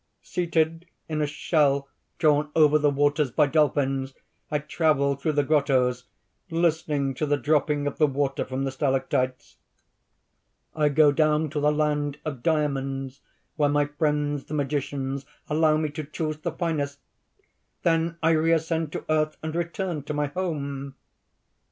"Seated in a shell drawn over the waters by dolphins, I travel through the grottoes, listening lo the dropping of the water from the stalactites. I go down to the land of diamonds, where my friends the magicians allow me to choose the finest: then I reascend to earth and return to my home."